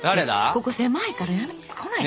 ここ狭いからやめて来ないで。